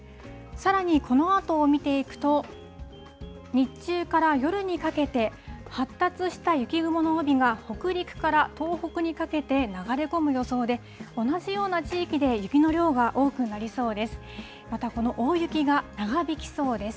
さらに、このあとを見ていくと、日中から夜にかけて、発達した雪雲の帯が、北陸から東北にかけて流れ込む予想で、同じような地域で雪の量が多くなりそうです。